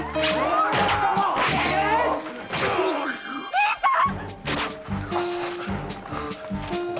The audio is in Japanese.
兄さん！